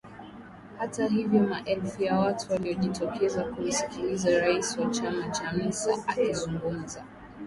Hata hivyo maelfu ya watu waliojitokeza kumsikiliza rais wa chama Chamisa akizungumza